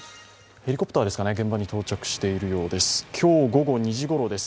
ヘリコプターですかね、現場に到着しているようです。